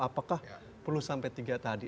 apakah perlu sampai tiga tadi